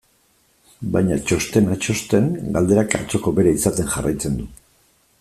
Baina, txostenak txosten, galderak atzoko bera izaten jarraitzen du.